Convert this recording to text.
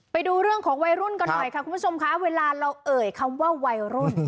ไปดูเรื่องของวัยรุ่นกันหน่อยค่ะคุณผู้ชมคะเวลาเราเอ่ยคำว่าวัยรุ่น